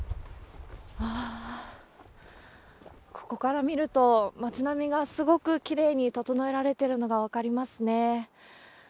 あぁー、ここから見ると、町並みがすごくきれいに整えられてるのが分かりますね。